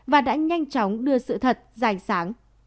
và đã nhanh chóng đưa sự thật dành sáng